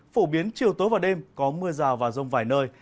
phổ biến chiều tối và đêm có mưa rào và rông vài nơi